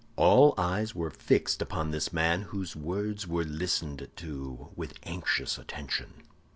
All eyes were fixed upon this man, whose words were listened to with anxious attention.